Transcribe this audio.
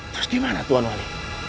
terus di mana tuhan wali